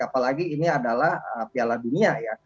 apalagi ini adalah piala dunia ya